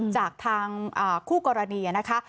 จากทางคู่กรณีนะคะ